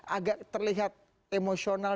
agak terlihat emosional